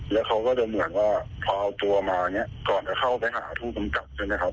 แล้วเขาก็จะเหมือนว่าพอเอาตัวมาเนี่ยก่อนจะเข้าไปหาผู้กำกับใช่ไหมครับ